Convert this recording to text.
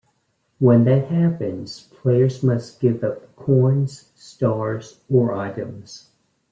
When that happens, players must give up coins, stars or items.